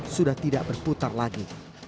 sudah tidak berputar lagi